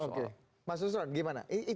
oke mas susrat gimana